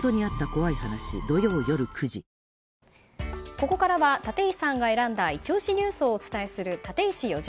ここからは立石さんが選んだイチ推しニュースをお伝えする